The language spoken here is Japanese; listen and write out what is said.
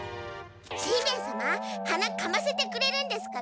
しんべヱ様はなかませてくれるんですか？